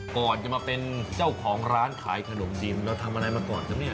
ก่อนจะมาเป็นเจ้าของร้านขายขนมจีนเราทำอะไรมาก่อนครับเนี่ย